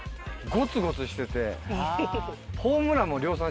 ゴツゴツしててホームラン量産？